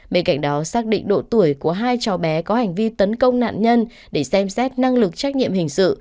bên cạnh đó xác định độ tuổi của hai trò bé có hành vi tấn công nạn nhân để xem xét năng lực trách nhiệm hình sự